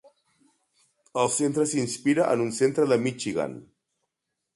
El centre s'inspira en un centre de Michigan.